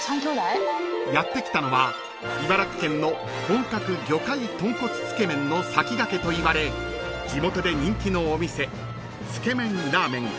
［やって来たのは茨城県の本格魚介豚骨つけ麺の先駆けといわれ地元で人気のお店］